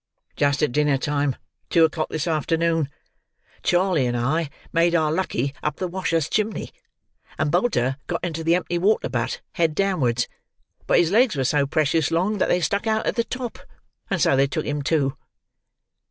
"Just at dinner time—two o'clock this afternoon. Charley and I made our lucky up the wash us chimney, and Bolter got into the empty water butt, head downwards; but his legs were so precious long that they stuck out at the top, and so they took him too."